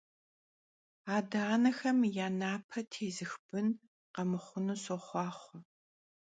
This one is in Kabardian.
Ade - anexem ya naper têzıx bın khemıxhunu soxhuaxhue!